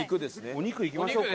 お肉いきましょうか！